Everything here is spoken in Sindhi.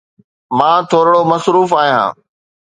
مان ٿورڙو مصروف آهيان.